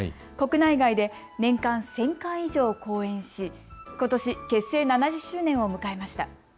国内外で年間１０００回以上公演しことし結成７０周年を迎えました。